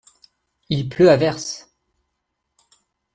Il pleut à verse.